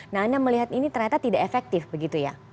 nah anda melihat ini ternyata tidak efektif begitu ya